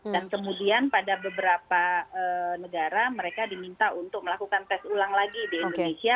dan kemudian pada beberapa negara mereka diminta untuk melakukan tes ulang lagi di indonesia